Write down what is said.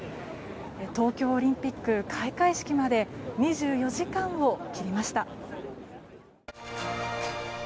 東京オリンピック開会式まで２４時間を切りました。